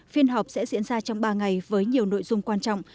phiên họp sẽ diễn ra trong ba ngày với nhiều nội dung quan trọng